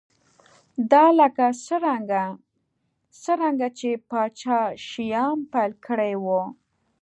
دا لکه څرنګه چې پاچا شیام پیل کړی و